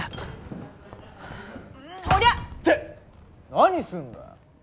何すんだよ。